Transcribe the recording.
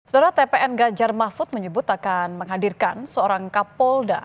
saudara tpn ganjar mahfud menyebut akan menghadirkan seorang kapolda